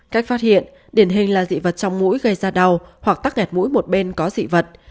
cách phát hiện điển hình là dị vật trong mũi gây ra đau hoặc tắc nghẹt mũi một bên có dị vật